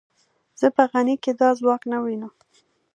زه په غني کې دا ځواک نه وینم.